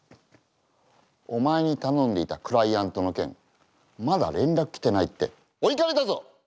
お前に頼んでいたクライアントの件まだ連絡来てないってお怒りだぞ！